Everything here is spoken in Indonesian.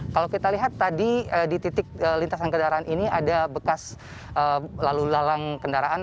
kalau kita lihat tadi di titik lintasan kendaraan ini ada bekas lalu lalang kendaraan